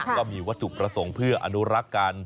ก็มีวัตถุประสงค์เพื่ออนุรักษ์กัน